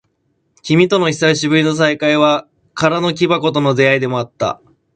君との久しぶりの再会は、空の木箱との出会いでもあった。